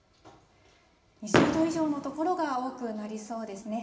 ２０度以上の所が多くなりそうですね。